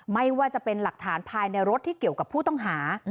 ไม่ว่าจะเป็นหลักฐานภายในรถที่เกี่ยวกับผู้ต้องหา